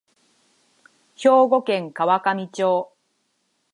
兵庫県神河町